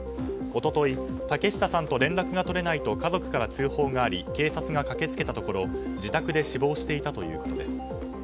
一昨日、竹下さんと連絡が取れないと家族から通報があり警察が駆け付けたところ自宅で死亡していたということです。